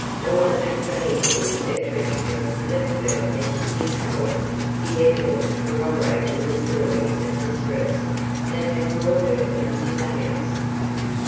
All apprehension of treachery left her as she beheld the evidence corroborating the story of distress that had brought her into the house.